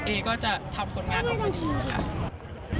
เอก็จะทำผลงานออกมาดีค่ะ